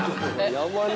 山根！